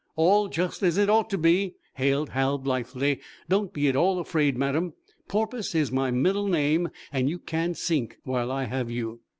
"All just as it ought to be," hailed Hal, blithely. "Don't be at all afraid, madam. Porpoise is my middle name, and you can't sink while I have you."